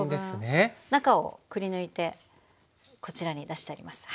中をくり抜いてこちらに出してあります。